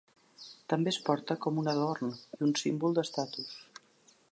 També es porta com un adorn i un símbol d'estatus.